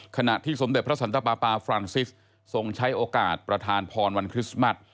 ขณะที่สมเด็จพระสันตปาปาฟรานซิสทรงใช้โอกาสประธานพรวันคริสต์มัส